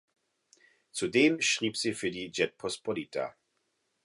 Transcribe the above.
Zudem schrieb sie für die "Rzeczpospolita".